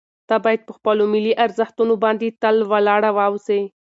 ته باید په خپلو ملي ارزښتونو باندې تل ولاړ واوسې.